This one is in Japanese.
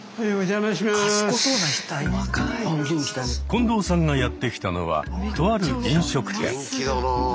近藤さんがやって来たのはとある飲食店。